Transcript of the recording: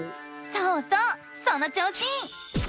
そうそうその調子！